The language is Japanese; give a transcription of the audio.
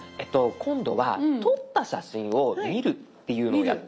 今度は撮った写真を見るっていうのをやってみたいと思います。